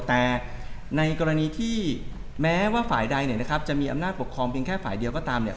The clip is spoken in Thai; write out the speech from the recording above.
แต่ในกรณีที่แม้ว่าฝ่ายใดเนี่ยนะครับจะมีอำนาจปกครองเพียงแค่ฝ่ายเดียวก็ตามเนี่ย